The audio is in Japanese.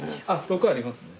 ６ありますね。